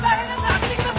開けてください。